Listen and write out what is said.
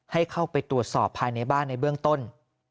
ให้เข้าไปตรวจสอบภายในบ้านในเบื้องต้น